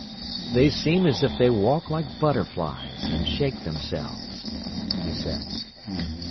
"They seem as if they walk like butterflies, and shake themselves," he said.